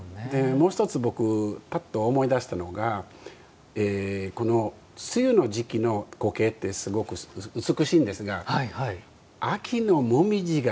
もう一つ、僕ぱっと思い出したのがこの梅雨の時期の苔ってすごく美しいんですが秋のもみじが、